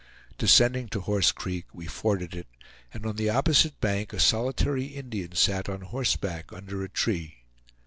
Descending to Horse Creek we forded it, and on the opposite bank a solitary Indian sat on horseback under a tree.